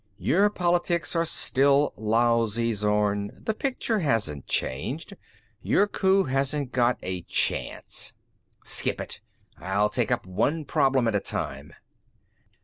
"Your politics are still lousy, Zorn. The picture hasn't changed. Your coup hasn't got a chance." "Skip it. I'll take up one problem at a time."